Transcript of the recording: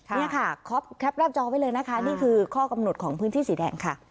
นี่ค่ะคอปแคปหน้าจอไว้เลยนะคะนี่คือข้อกำหนดของพื้นที่สีแดงค่ะ